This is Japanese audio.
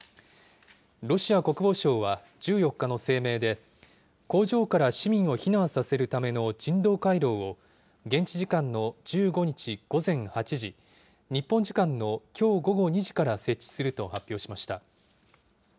ロシア国防省は１４日の声明で、工場から市民を避難させるための人道回廊を現地時間の１５日午前８時、日本時間のきょう午後２時から設置すると発表しました。